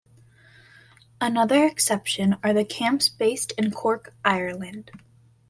Another exception are the camps based in Cork, Ireland.